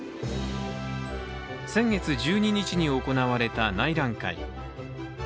先月１２日に行われた内覧会。